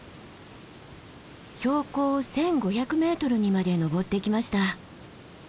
標高１，５００ｍにまで登ってきました。